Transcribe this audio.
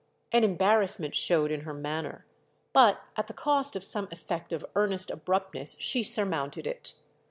An embarrassment showed in her manner, but at the cost of some effect of earnest abruptness she surmounted it.